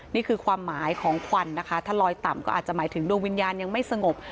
นี่คือความหมายของควันนะคะถ้าลอยต่ำก็อาจจะหมายถึงดวงวิญญาณยังไม่สงบ